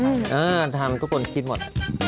เออถามก็ควรคิดหมด